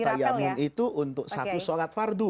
satu tayamum itu untuk satu sholat fardu